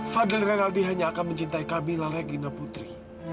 fadil rinaldi hanya akan mencintai kak mila regina putri